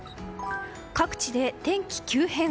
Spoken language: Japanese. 各地で天気急変。